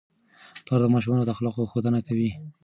پلار د ماشومانو د اخلاقو ښودنه کوي.